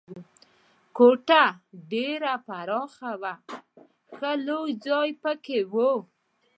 کوټه ډېره پراخه وه، ښه لوی ځای پکې و.